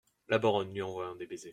La Baronne , lui envoyant des baisers.